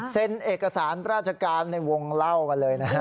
เอกสารราชการในวงเล่ากันเลยนะฮะ